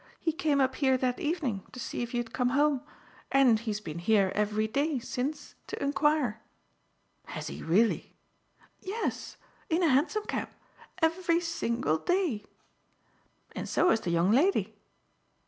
He came up here that evening to see if you had come home, and he's been here every day since to enquire." "Has he really?" "Yes. In a hansom cab. Every single day. And so has the young lady."